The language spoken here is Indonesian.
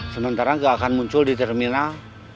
sementara nggak akan muncul di terminal